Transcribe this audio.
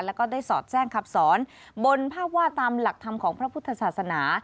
แล้วก็ได้สอดแจ้งคำสอนบนภาพว่าตามหลักธรรมของพระพุทธศาสนา